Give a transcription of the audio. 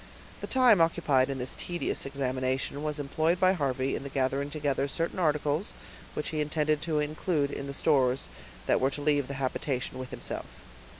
The time occupied in this tedious examination was employed by Harvey in gathering together certain articles which he intended to include in the stores that were to leave the habitation with himself.